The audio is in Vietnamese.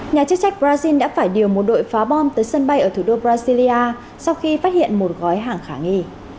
nhà chức trách brazil đã phải điều một đội phá bom tới sân bay ở thủ đô brasilia sau khi phát hiện một gói hàng khả nghi